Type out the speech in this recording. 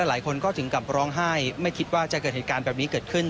หลายคนก็ถึงกับร้องไห้ไม่คิดว่าจะเกิดเหตุการณ์แบบนี้เกิดขึ้น